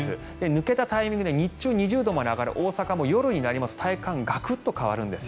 抜けたタイミングで日中２０度まで上がる大阪も夜になりますと体感、ガクッと変わるんです。